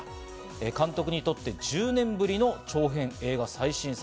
監督にとって１０年ぶりの長編映画最新作。